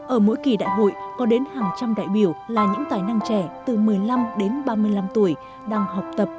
ở mỗi kỳ đại hội có đến hàng trăm đại biểu là những tài năng trẻ từ một mươi năm đến ba mươi năm tuổi đang học tập